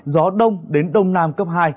gió đông đến đông nam cấp hai